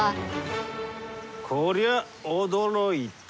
こりゃ驚いた。